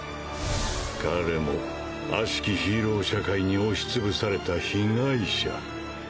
彼も悪しきヒーロー社会に押し潰された被害者。